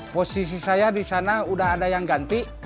posisi saya di sana sudah ada yang ganti